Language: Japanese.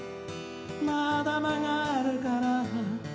「まだ間があるから」